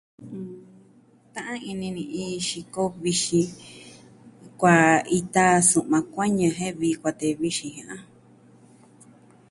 Ta'an ini ni iin xiko vixin kua ita su'ma kuañɨ jen vii kuatee vixin jia'an jan.